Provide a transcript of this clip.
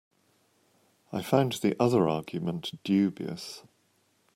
I find the other argument dubious.